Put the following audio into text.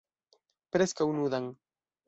Preskaŭ nudan.